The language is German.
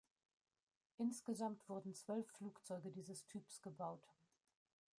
Insgesamt wurden zwölf Flugzeuge dieses Typs gebaut.